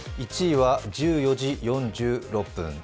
１位は１４時４６分。